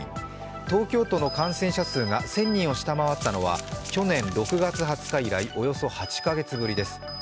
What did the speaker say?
東京都の感染者数が１０００人を下回ったのは去年６月２０日以来およそ８か月ぶりです。